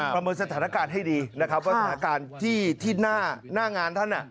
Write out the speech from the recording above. ประเมินสถานการณ์ให้ดีนะครับว่าสถานการณ์ที่หน้างานท่าน